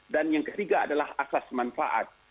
dan yang ketiga adalah asas manfaat